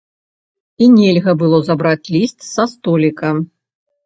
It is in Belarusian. І нельга было забраць ліст са століка.